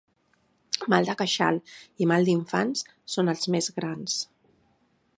Mal de queixal i mal d'infants són els més grans.